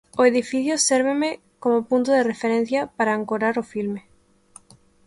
O edificio sérveme como punto de referencia, para ancorar o filme.